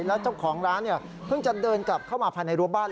แล้วเจ้าของร้านเพิ่งจะเดินกลับเข้ามาภายในรั้วบ้าน